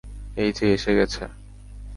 এইযে, এসে গেছে।